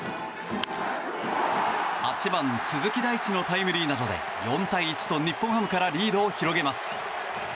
８番、鈴木大地のタイムリーなどで４対１と日本ハムからリードを広げます。